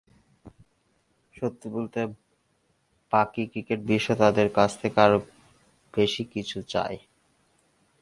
সত্যি বলতে, বাকি ক্রিকেট-বিশ্ব তাদের কাছ থেকে আরও বেশি কিছু চায়।